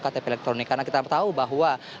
ktp elektronik karena kita tahu bahwa